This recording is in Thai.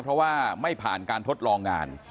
เพราะว่าไม่ผ่านการทดลองงาน